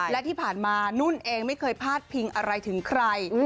และที่ผ่านมานุ่นเองไม่เคยพาดพิงอะไรถึงใคร